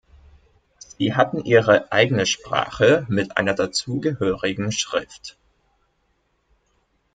Sie hatten ihre eigene Sprache mit einer dazugehörigen Schrift.